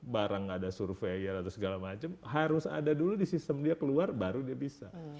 barang ada surveyor atau segala macam harus ada dulu di sistem dia keluar baru dia bisa